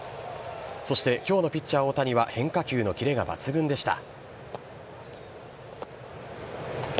そして今日のピッチャー・大谷は変化球のキレが抜群でした。